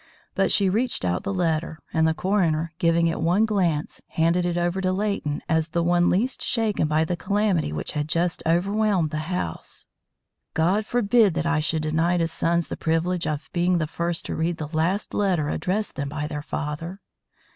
But she reached out the letter, and the coroner, giving it one glance, handed it over to Leighton as the one least shaken by the calamity which had just overwhelmed the house. "God forbid that I should deny to sons the privilege of being the first to read the last letter addressed them by their father."